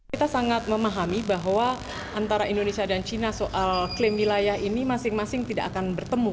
kita sangat memahami bahwa antara indonesia dan cina soal klaim wilayah ini masing masing tidak akan bertemu